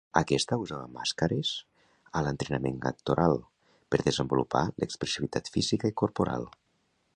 Aquesta usava màscares a l'entrenament actoral, per desenvolupar l'expressivitat física i corporal.